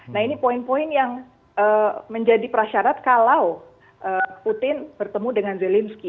nah ini poin poin yang menjadi prasyarat kalau putin bertemu dengan zelensky